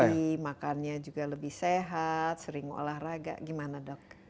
lagi makannya juga lebih sehat sering olahraga gimana dok